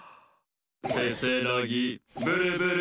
せせらぎブルブル。